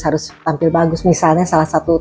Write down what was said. harus tampil bagus misalnya salah satu